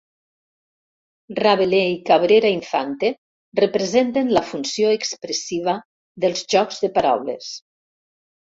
Rabelais i Cabrera Infante representen la funció expressiva dels jocs de paraules.